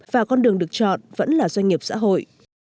và con đường được chọn vẫn là doanh nghiệp xã hội